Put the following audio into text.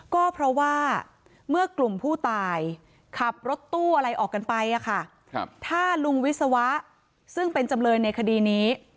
ก็เพราะว่าเมื่อกลุ่มผู้ตายขับรถตู้อะไรออกกันไปถ้าลุงวิศวะซึ่งเป็นจำเลยในคดีนี้